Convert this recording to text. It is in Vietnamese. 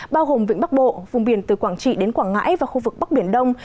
bao gồm vĩnh bắc bộ vùng biển từ quảng trị đến quảng ngãi và khu vực bắc biển đông